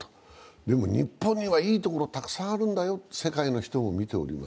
でも、日本にはいいところがたくさんあるんだよと世界の人も見ております。